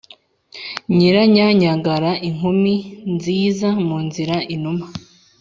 Nyiranyanyagara inkumi nziza mu nzira-Inuma.